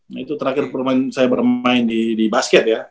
nah itu terakhir saya bermain di basket ya